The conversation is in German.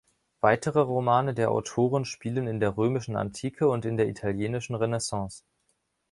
Weitere Romane der Autorin spielen in der römischen Antike und in der italienischen Renaissance.